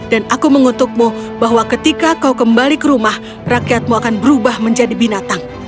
dan aku mengutukmu bahwa ketika kau kembali ke rumah rakyatmu akan berubah menjadi binatang